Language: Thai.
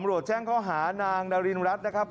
ปรับเช่งเค้าหานางนารีนรัฐนะครับ